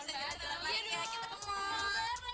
kita kemarin ya kita kemarin